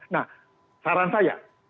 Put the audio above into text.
nah saran saya